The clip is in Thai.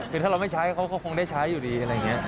คือถ้าเราไม่ใช้เขาก็คงได้ใช้อยู่ดีอะไรอย่างนี้